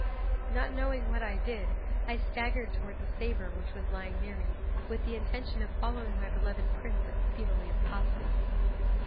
'Not knowing what I did I staggered towards the sabre which was lying near me, with the intention of following my beloved prince as speedily as possible.